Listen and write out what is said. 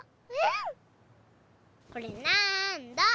これなんだ？